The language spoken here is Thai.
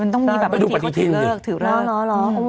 มันต้องมีแบบวันที่ที่เขาถือเลิก